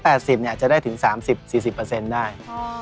คือถ้า๘๐เนี่ยจะได้ถึง๓๐๔๐ได้